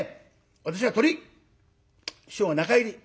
私がトリ師匠が中入り。